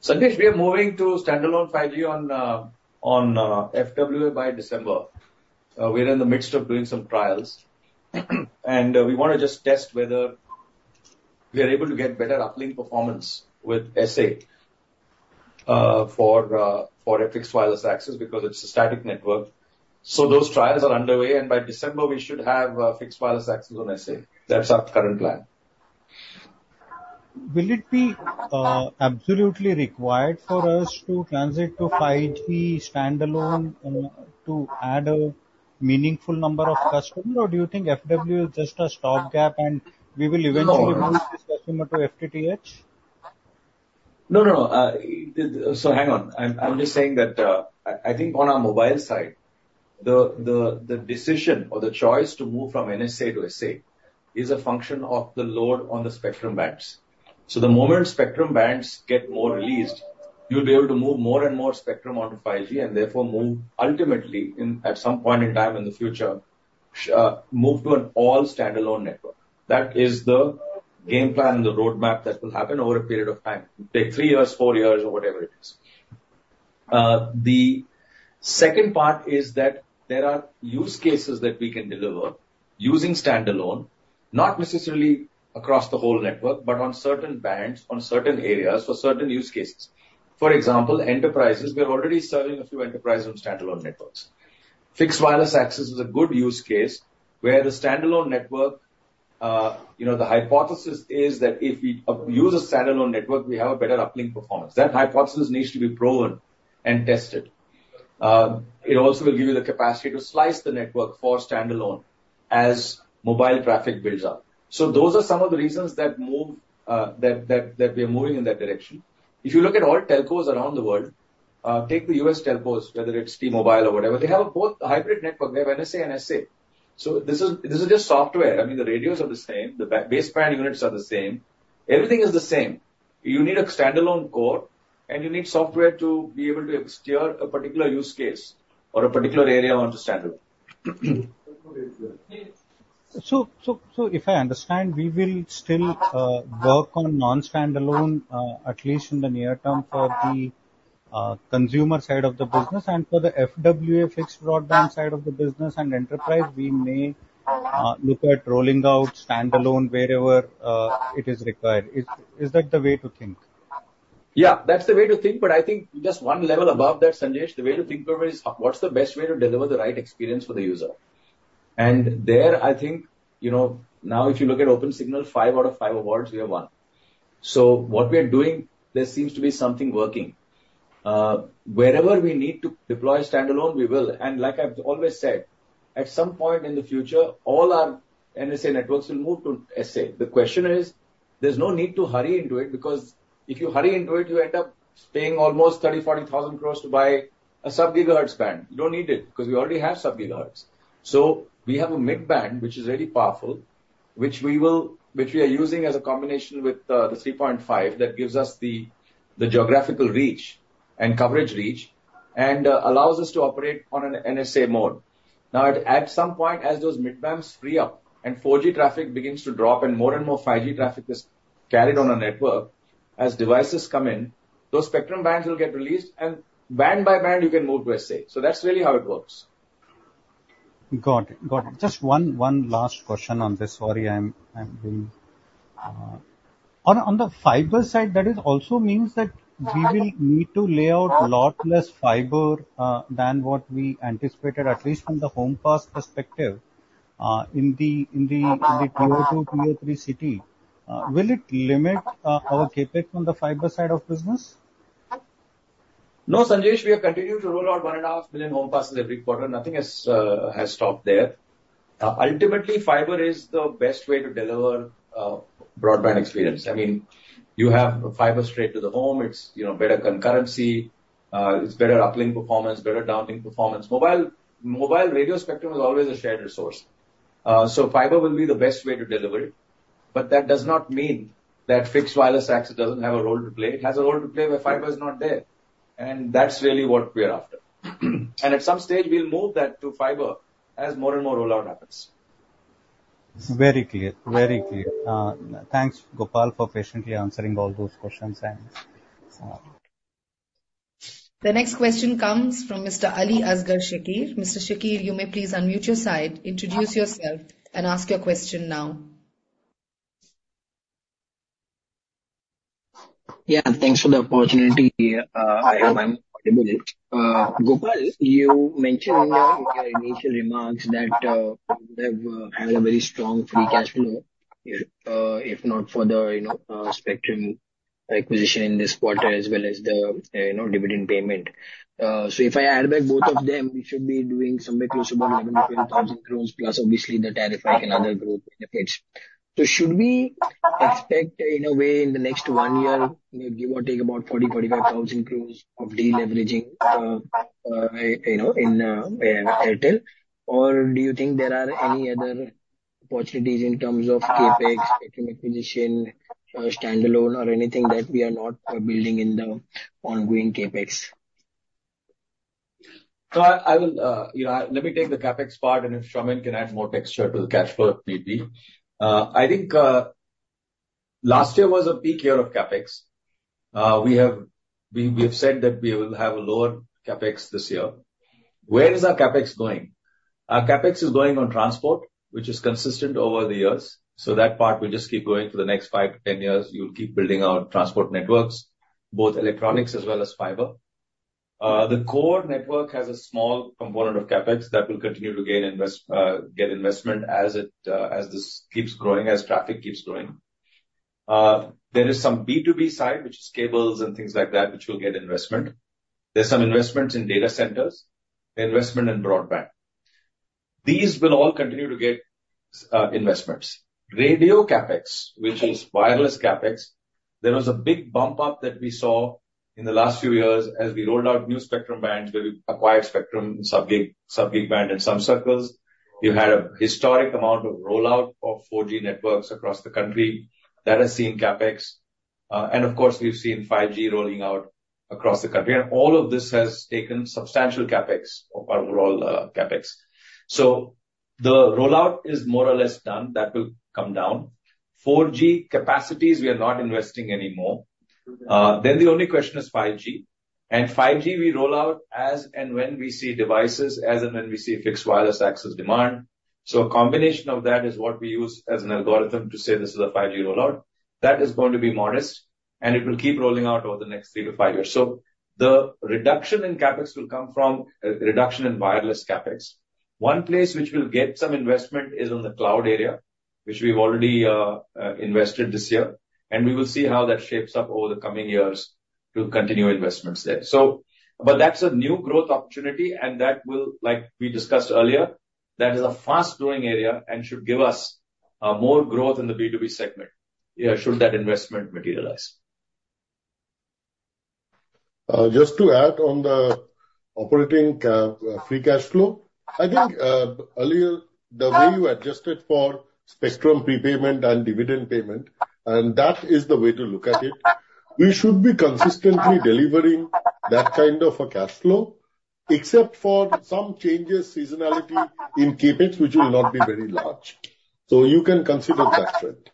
Sanjesh, we are moving to standalone 5G on FWA by December. We're in the midst of doing some trials, and we want to just test whether we are able to get better uplink performance with SA for a fixed wireless access, because it's a static network, so those trials are underway, and by December, we should have fixed wireless access on SA. That's our current plan. Will it be absolutely required for us to transit to 5G standalone to add a meaningful number of customers? Or do you think FWA is just a stopgap, and we will eventually- No. Move this customer to FTTH? No, no, no. Hang on. I'm just saying that I think on our mobile side, the decision or the choice to move from NSA to SA is a function of the load on the spectrum bands. The moment spectrum bands get more released, you'll be able to move more and more spectrum onto 5G, and therefore move ultimately at some point in time in the future to an all-standalone network. That is the game plan, the roadmap that will happen over a period of time, take three years, four years, or whatever it is. The second part is that there are use cases that we can deliver using standalone, not necessarily across the whole network, but on certain bands, on certain areas, for certain use cases. For example, enterprises. We are already serving a few enterprises on standalone networks. Fixed wireless access is a good use case where the standalone network, you know, the hypothesis is that if we use a standalone network, we have a better uplink performance. That hypothesis needs to be proven and tested. It also will give you the capacity to slice the network for standalone as mobile traffic builds up. So those are some of the reasons that move that we are moving in that direction. If you look at all telcos around the world, take the U.S. telcos, whether it's T-Mobile or whatever, they have both hybrid network. They have NSA and SA. So this is just software. I mean, the radios are the same, the baseband units are the same. Everything is the same. You need a standalone core, and you need software to be able to steer a particular use case or a particular area onto standalone. So if I understand, we will still work on non-standalone at least in the near term for the consumer side of the business. And for the FWA fixed broadband side of the business and enterprise, we may look at rolling out standalone wherever it is required. Is that the way to think? Yeah, that's the way to think, but I think just one level above that, Sanjesh, the way to think about it is, what's the best way to deliver the right experience for the user? And there, I think, you know, now if you look at OpenSignal, five out of five awards, we have won. So what we are doing, there seems to be something working. Wherever we need to deploy standalone, we will. And like I've always said, at some point in the future, all our NSA networks will move to SA. The question is, there's no need to hurry into it, because if you hurry into it, you end up paying almost 30,000-40,000 crores to buy a sub-gigahertz band. You don't need it, because we already have sub-gigahertz. So we have a mid band, which is very powerful, which we are using as a combination with the 3.5, that gives us the geographical reach and coverage reach, and allows us to operate on an NSA mode. Now, at some point, as those mid bands free up and 4G traffic begins to drop, and more and more 5G traffic is carried on our network, as devices come in, those spectrum bands will get released, and band by band, you can move to SA. So that's really how it works. Got it. Got it. Just one last question on this. Sorry, I'm being... On the fiber side, that it also means that we will need to lay out a lot less fiber than what we anticipated, at least from the home pass perspective, in the tier two, tier three city. Will it limit our CapEx on the fiber side of business? No, Sanjesh, we are continuing to roll out 1.5 million home passes every quarter. Nothing has stopped there. Ultimately, fiber is the best way to deliver broadband experience. I mean, you have fiber straight to the home. It's, you know, better concurrency, it's better uplink performance, better downlink performance. Mobile radio spectrum is always a shared resource. So fiber will be the best way to deliver it, but that does not mean that fixed wireless access doesn't have a role to play. It has a role to play where fiber is not there, and that's really what we are after. And at some stage, we'll move that to fiber as more and more rollout happens. Very clear. Very clear. Thanks, Gopal, for patiently answering all those questions, and so on. The next question comes from Mr. Ali Asgar Shakir. Mr. Shakir, you may please unmute your side, introduce yourself, and ask your question now. Yeah, thanks for the opportunity. I hope I'm audible. Gopal, you mentioned in your initial remarks that you have had a very strong free cash flow, if not for the, you know, spectrum acquisition in this quarter, as well as the, you know, dividend payment. So if I add back both of them, you should be doing somewhere close to about eleven to twelve thousand crores, plus obviously the tariff hike and other growth benefits. So should we expect, in a way, in the next one year, give or take, about 40,000-45,000 crores of deleveraging, you know, in Airtel? Or do you think there are any other opportunities in terms of CapEx, spectrum acquisition, or standalone, or anything that we are not building in the ongoing CapEx? So I will, you know, let me take the CapEx part, and if Soumen can add more texture to the cash flow, maybe. I think last year was a peak year of CapEx. We have said that we will have a lower CapEx this year. Where is our CapEx going? Our CapEx is going on transport, which is consistent over the years, so that part will just keep going for the next five to 10 years. We'll keep building our transport networks, both electronics as well as fiber. The core network has a small component of CapEx that will continue to get investment as this keeps growing, as traffic keeps growing. There is some B2B side, which is cables and things like that, which will get investment. There's some investments in data centers, investment in broadband. These will all continue to get investments. Radio CapEx, which is wireless CapEx, there was a big bump up that we saw in the last few years as we rolled out new spectrum bands, where we acquired spectrum in sub-gig band in some circles. We had a historic amount of rollout of 4G networks across the country. That has seen CapEx. And of course, we've seen 5G rolling out across the country, and all of this has taken substantial CapEx of our overall CapEx. So the rollout is more or less done. That will come down. 4G capacities, we are not investing anymore. Then the only question is 5G. And 5G, we roll out as and when we see devices, as and when we see fixed wireless access demand. So a combination of that is what we use as an algorithm to say this is a 5G rollout. That is going to be modest, and it will keep rolling out over the next three to five years. So the reduction in CapEx will come from a reduction in wireless CapEx. One place which will get some investment is on the cloud area, which we've already invested this year, and we will see how that shapes up over the coming years to continue investments there. So. But that's a new growth opportunity, and that will, like we discussed earlier, that is a fast-growing area and should give us more growth in the B2B segment, should that investment materialize. Just to add on the operating free cash flow. I think, earlier, the way you adjusted for spectrum prepayment and dividend payment, and that is the way to look at it. We should be consistently delivering that kind of a cash flow, except for some changes, seasonality in CapEx, which will not be very large, so you can consider that right.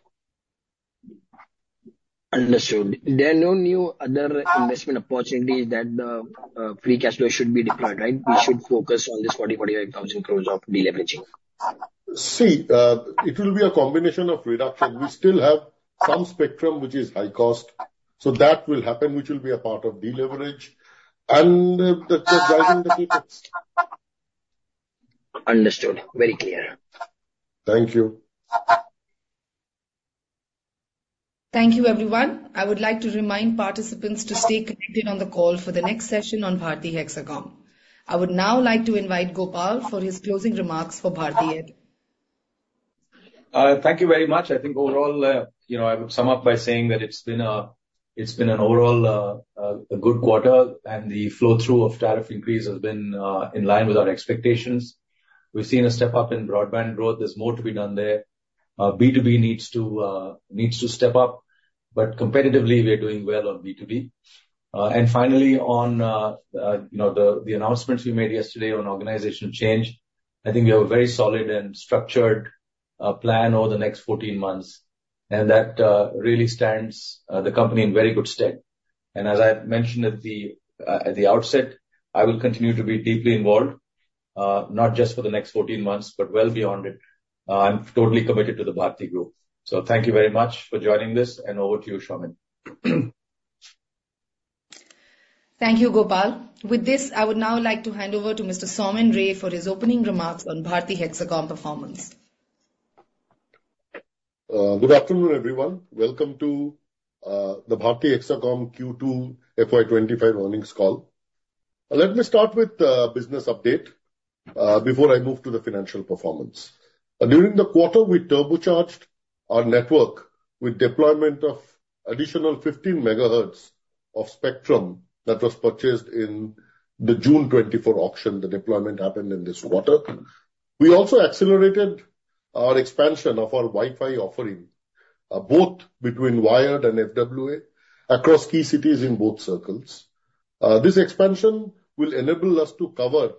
Understood. There are no new other investment opportunities that free cash flow should be deployed, right? We should focus on this 40,000-45,000 crores of deleveraging. See, it will be a combination of reduction. We still have some spectrum, which is high cost, so that will happen, which will be a part of deleverage, and that is driving the CapEx. Understood. Very clear. Thank you. Thank you, everyone. I would like to remind participants to stay connected on the call for the next session on Bharti Hexacom. I would now like to invite Gopal for his closing remarks for Bharti Airtel. Thank you very much. I think overall, you know, I would sum up by saying that it's been an overall good quarter, and the flow-through of tariff increase has been in line with our expectations. We've seen a step up in broadband growth. There's more to be done there. B2B needs to step up, but competitively, we are doing well on B2B. And finally, on, you know, the announcements we made yesterday on organizational change, I think we have a very solid and structured plan over the next fourteen months, and that really stands the company in very good stead. And as I had mentioned at the outset, I will continue to be deeply involved, not just for the 14months, but well beyond it. I'm totally committed to the Bharti Group. So thank you very much for joining this, and over to you, Soumen. Thank you, Gopal. With this, I would now like to hand over to Mr. Soumen Ray for his opening remarks on Bharti Hexacom performance. Good afternoon, everyone. Welcome to the Bharti Hexacom Q2 FY 2025 Earnings Call. Let me start with business update before I move to the financial performance. During the quarter, we turbocharged our network, with deployment of additional 15 megahertz of spectrum that was purchased in the June 2024 auction, the deployment happened in this quarter. We also accelerated our expansion of our Wi-Fi offering, both between wired and FWA across key cities in both circles. This expansion will enable us to cover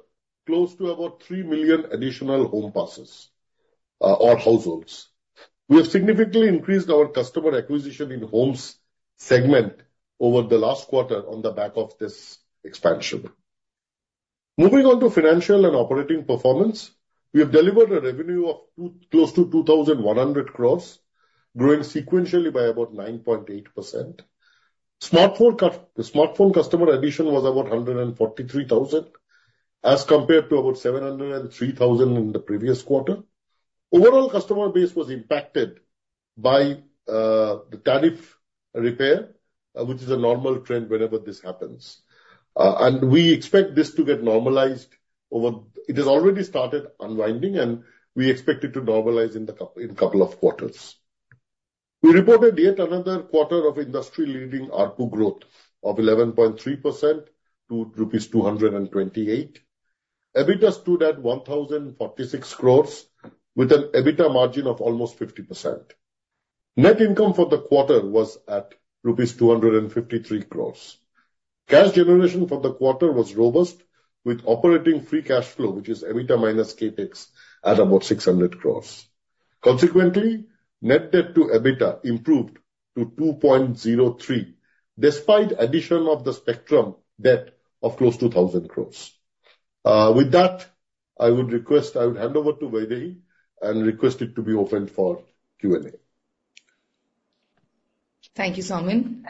close to about three million additional home passes or households. We have significantly increased our customer acquisition in the homes segment over the last quarter on the back of this expansion. Moving on to financial and operating performance. We have delivered a revenue of close to 2,100 crores, growing sequentially by about 9.8%. The smartphone customer addition was about 143,000, as compared to about 703,000 in the previous quarter. Overall customer base was impacted by the tariff repair, which is a normal trend whenever this happens. We expect this to get normalized over. It has already started unwinding, and we expect it to normalize in a couple of quarters. We reported yet another quarter of industry-leading ARPU growth of 11.3% to INR 228. EBITDA stood at 1,046 crores, with an EBITDA margin of almost 50%. Net income for the quarter was at rupees 253 crores. Cash generation for the quarter was robust, with operating free cash flow, which is EBITDA minus CapEx, at about 600 crores. Consequently, net debt to EBITDA improved to 2.03, despite addition of the spectrum debt of close to 1,000 crores. With that, I would request, I would hand over to Vaidehi, and request it to be opened for Q&A. Thank you, Soumen.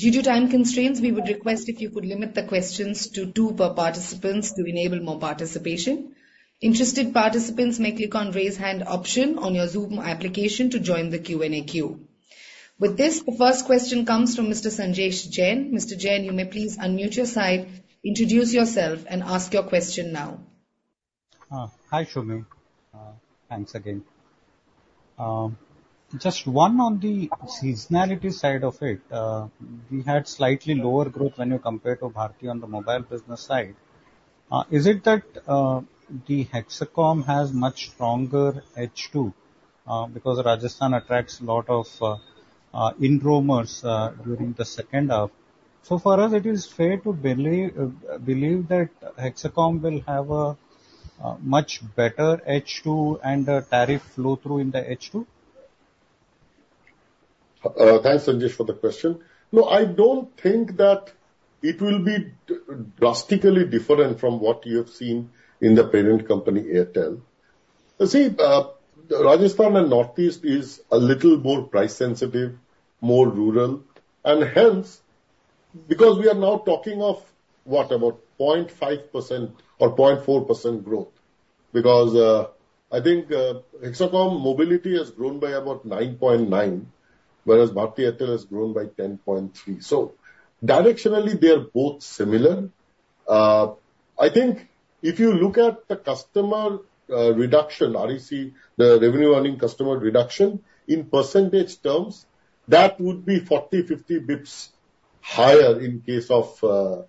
Due to time constraints, we would request if you could limit the questions to two per participants to enable more participation. Interested participants may click on raise hand option on your Zoom application to join the Q&A queue. With this, the first question comes from Mr. Sanjesh Jain. Mr. Jain, you may please unmute your side, introduce yourself, and ask your question now. Hi, Soumen. Thanks again. Just one on the seasonality side of it. We had slightly lower growth when you compare to Bharti on the mobile business side. Is it that the Hexacom has much stronger H2, because Rajasthan attracts a lot of in roamers during the second half? So for us, it is fair to believe that Hexacom will have a much better H2 and a tariff flow through in the H2? Thanks, Sanjesh, for the question. No, I don't think that it will be drastically different from what you have seen in the parent company, Airtel. You see, Rajasthan and Northeast is a little more price sensitive, more rural, and hence, because we are now talking of what, about 0.5% or 0.4% growth. Because, I think, Hexacom mobility has grown by about 9.9%, whereas Bharti Airtel has grown by 10.3%. So directionally, they are both similar. I think if you look at the customer reduction, REC, the revenue earning customer reduction, in percentage terms, that would be 40-50 basis points higher in case of Bharti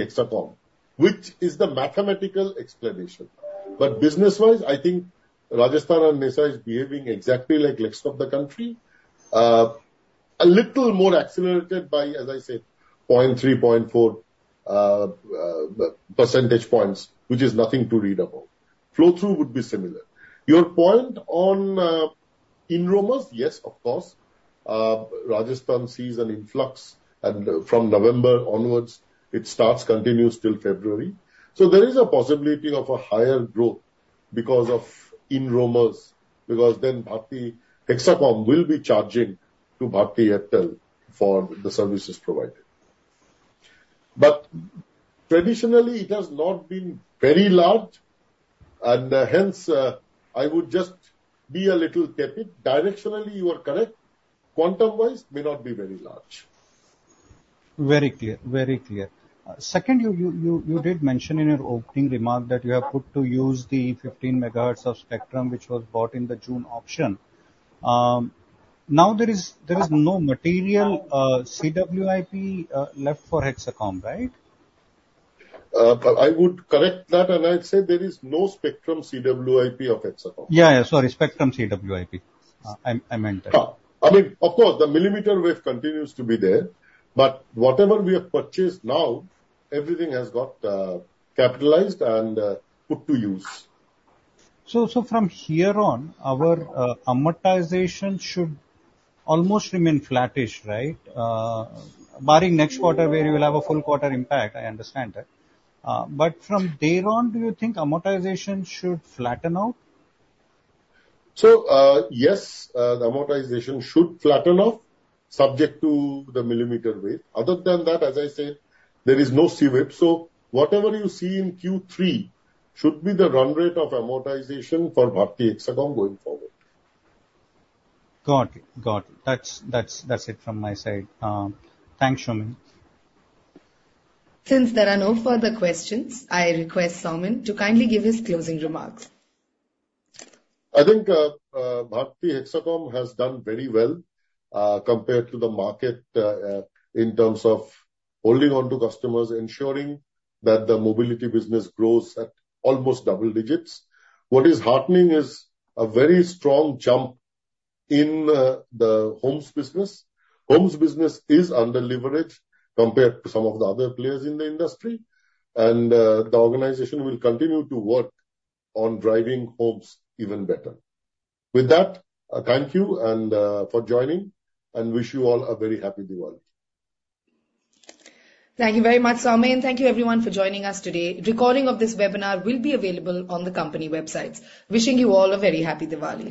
Hexacom, which is the mathematical explanation. But business-wise, I think Rajasthan and Northeast is behaving exactly like rest of the country. A little more accelerated by, as I said, point three, point four, percentage points, which is nothing to read about. Flow-through would be similar. Your point on, in roamers, yes, of course, Rajasthan sees an influx, and from November onwards, it starts, continues till February. So there is a possibility of a higher growth because of in roamers, because then Bharti Hexacom will be charging to Bharti Airtel for the services provided. But traditionally, it has not been very large, and, hence, I would just be a little tepid. Directionally, you are correct, quantum-wise may not be very large. Very clear. Second, you did mention in your opening remark that you have put to use the 15 megahertz of spectrum, which was bought in the June auction. Now there is no material CWIP left for Hexacom, right? But I would correct that, and I'd say there is no spectrum CWIP of Hexacom. Yeah, yeah, sorry, spectrum CWIP. I meant that. I mean, of course, the millimeter wave continues to be there, but whatever we have purchased now, everything has got capitalized and put to use. From here on, our amortization should almost remain flattish, right? Barring next quarter, where you will have a full quarter impact, I understand that. But from there on, do you think amortization should flatten out? Yes, the amortization should flatten off, subject to the millimeter wave. Other than that, as I said, there is no CWIP. So whatever you see in Q3 should be the run rate of amortization for Bharti Hexacom going forward. Got it. Got it. That's, that's, that's it from my side. Thanks, Soumen. Since there are no further questions, I request Soumen to kindly give his closing remarks. I think, Bharti Hexacom has done very well, compared to the market, in terms of holding on to customers, ensuring that the mobility business grows at almost double digits. What is heartening is a very strong jump in the homes business. Homes business is under leverage compared to some of the other players in the industry, and the organization will continue to work on driving homes even better. With that, thank you, and for joining, and wish you all a very happy Diwali. Thank you very much, Soumen, thank you everyone for joining us today. Recording of this webinar will be available on the company websites. Wishing you all a very happy Diwali.